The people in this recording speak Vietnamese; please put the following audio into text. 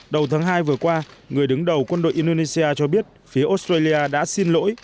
đầu tháng hai vừa qua người đứng đầu quân đội indonesia cho biết phía australia đã xin lỗi